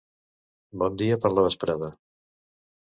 Bon dia per la vesprada.